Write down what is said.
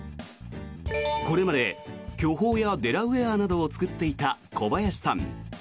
これまで巨峰やデラウェアなどを作っていた小林さん。